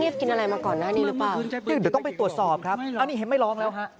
เดี๋ยวต้องไปตรวจสอบครับอันนี้เห็นไม่ร้องแล้วฮะ